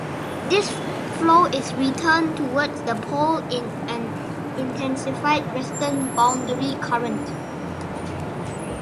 This flow is returned towards the pole in an intensified western boundary current.